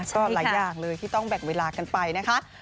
ก็หลายอย่างเลยที่ต้องแบ่งเวลากันไปนะคะ